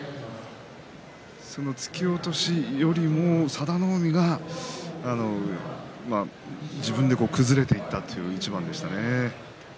その突き落としよりも佐田の海が自分で崩れていったという一番でしたね。